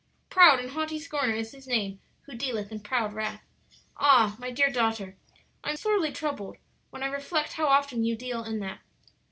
"'Proud and haughty scorner is his name who dealeth in proud wrath.' "Ah, my dear daughter, I am sorely troubled when I reflect how often you deal in that.